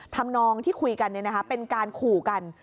นองที่คุยกันเป็นการขู่กัน